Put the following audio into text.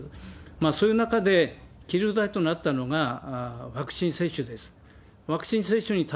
そういう中で、切り札となったのが、ワクチン接種です。